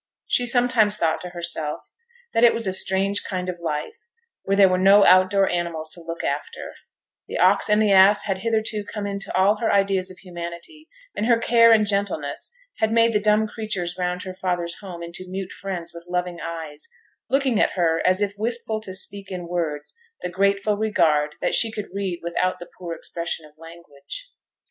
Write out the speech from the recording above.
She sometimes thought to herself that it was a strange kind of life where there were no out door animals to look after; the 'ox and the ass' had hitherto come into all her ideas of humanity; and her care and gentleness had made the dumb creatures round her father's home into mute friends with loving eyes, looking at her as if wistful to speak in words the grateful regard that she could read without the poor expression of language.